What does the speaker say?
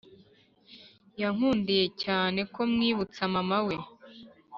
yankundiye cyane ko mwibutsa mama we